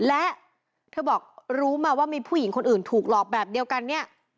และเธอบอกรู้มาว่ามีผู้หญิงคนอื่นถูกหลอกแบบเดียวกันเนี่ย